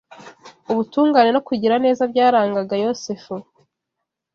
Ubutungane no kugira neza byarangaga Yosefu